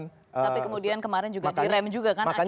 tapi kemudian kemarin juga direm juga kan